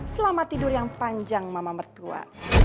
selama tidur yang panjang mama mertua